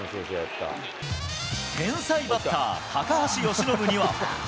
天才バッター、高橋由伸には。